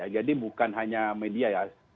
jadi bukan hanya media ya